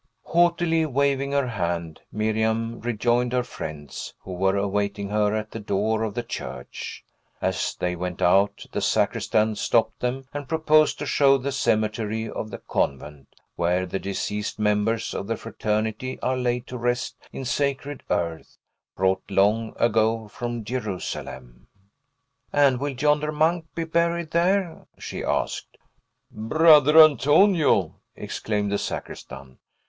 Haughtily waving her hand, Miriam rejoined her friends, who were awaiting her at the door of the church. As they went out, the sacristan stopped them, and proposed to show the cemetery of the convent, where the deceased members of the fraternity are laid to rest in sacred earth, brought long ago from Jerusalem. "And will yonder monk be buried there?" she asked. "Brother Antonio?" exclaimed the sacristan.